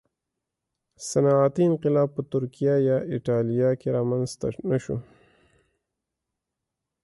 صنعتي انقلاب په ترکیه یا اېټالیا کې رامنځته نه شو